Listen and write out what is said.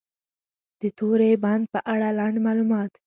د توری بند په اړه لنډ معلومات: